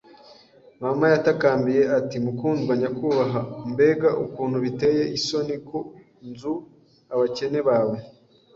Mama yatakambiye ati: “Mukundwa, nyakubahwa, mbega ukuntu biteye isoni ku nzu! Abakene bawe